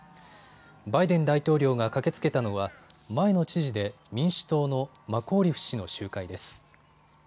バイデン大統領が駆けつけたのは前の知事で民主党のマコーリフ氏の集会です。